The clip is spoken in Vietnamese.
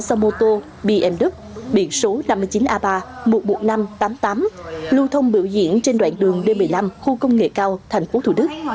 xe mô tô bmw biển số năm mươi chín a ba một mươi một nghìn năm trăm tám mươi tám lưu thông biểu diễn trên đoạn đường d một mươi năm khu công nghệ cao tp thủ đức